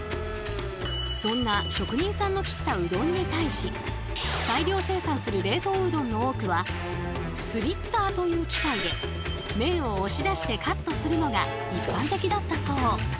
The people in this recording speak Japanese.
そんな職人さんの切ったうどんに対しスリッターという機械で麺を押し出してカットするのが一般的だったそう。